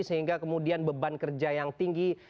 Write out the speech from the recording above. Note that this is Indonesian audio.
sehingga kemudian beban kerja yang tinggi